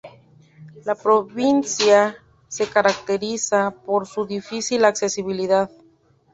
La provincia se caracteriza por su difícil accesibilidad.